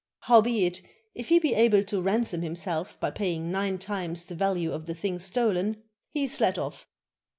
Howbeit, if he be able to ransom himself by paying nine times the value of the thing stolen, he is let off.